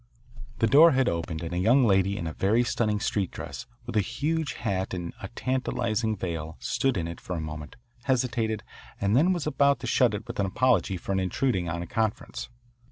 The door had opened and a young lady in a very stunning street dress, with a huge hat and a tantalising veil, stood in it for a moment, hesitated, and then was about to shut it with an apology for intruding on a conference.